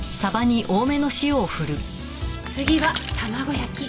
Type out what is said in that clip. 次は卵焼き。